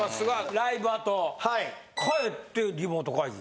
ライブあと帰ってリモート会議？